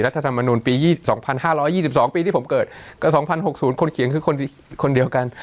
ธรรมนุนปี๒๕๒๒ปีที่ผมเกิดกับ๒๐๖๐คนเขียนคือคนเดียวกัน